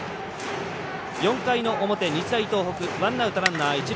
４回の表、日大東北ワンアウト、ランナー、一塁。